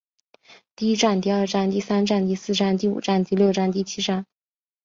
第一战第二战第三战第四战第五战第六战第七战